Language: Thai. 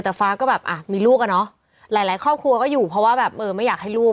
แต่ฟ้าก็แบบอ่ะมีลูกอ่ะเนอะหลายหลายครอบครัวก็อยู่เพราะว่าแบบเออไม่อยากให้ลูก